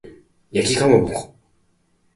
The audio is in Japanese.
焼きかまぼこ